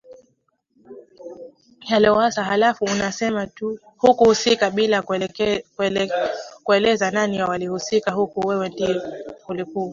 ya Lowassa halafu unasema tu hukuhusika bila kueleza nani walihusika huku wewe ndiye ulikuwa